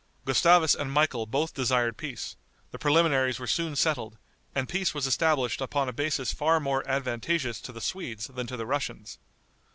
Gustavus and Michael both desired peace, the preliminaries were soon settled, and peace was established upon a basis far more advantageous to the Swedes than to the Russians.